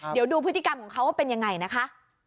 เดี๋ยวดูพฤติกรรมของเขาว่าเป็นยังไงนะคะ